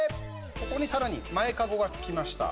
ここに、さらに前カゴがつきました。